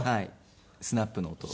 スナップの音。